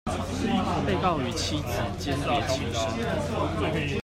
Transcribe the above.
被告與妻子鰜鰈情深